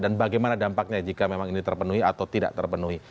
dan bagaimana dampaknya jika memang ini terpenuhi atau tidak terpenuhi